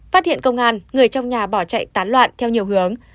phát hiện công an người trong nhà bỏ chạy tán loạn theo nhiều hướng